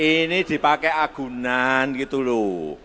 ini dipakai agunan gitu loh